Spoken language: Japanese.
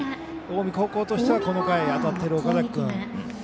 近江高校としては、この回当たっている岡崎君